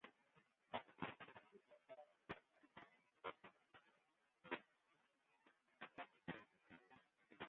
Ut wat aai is hy bret?